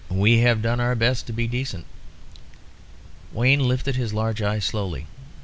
"We have done our best to be decent." Wayne lifted his large eyes slowly.